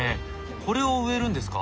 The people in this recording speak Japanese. これを植えるんですか？